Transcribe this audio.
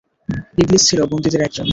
ইবলীস ছিল বন্দীদের একজন।